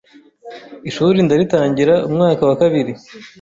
ishuri ndaritangira, umwaka wa kabiri